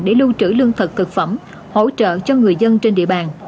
để lưu trữ lương thực thực phẩm hỗ trợ cho người dân trên địa bàn